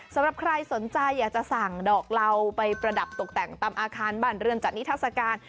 สำหรับใครสนใจอยากจะสั่งดอกเหล่าไปประดับตกแต่งตามอาคารบ้านเรือนจัดนิทัศกาล